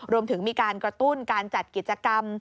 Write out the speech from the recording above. รวมถึงมีการกระตุ้นการจัดกิจกรรม